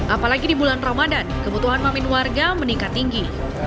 apalagi di bulan ramadan kebutuhan mamin warga meningkat tinggi